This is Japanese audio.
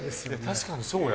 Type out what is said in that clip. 確かにそうや。